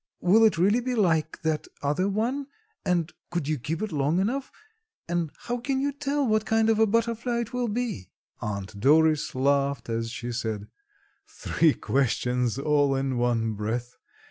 Will it really be like that other one, and could you keep it long enough; and how can you tell what kind of a butterfly it will be?" Aunt Doris laughed as she said, "Three questions all in one breath.